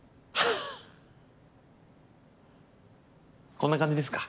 こんな感じですか？